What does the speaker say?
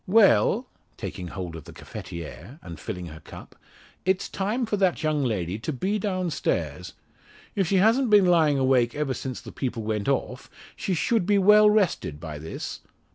Well;" taking hold of the cafetiere, and filling her cup, "it's time for that young lady to be downstairs. If she hasn't been lying awake ever since the people went off, she should be well rested by this.